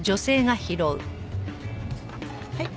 はい。